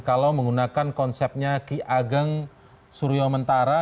kalau menggunakan konsepnya ki ageng suryo mentara